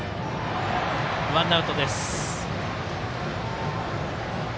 ワンアウトです。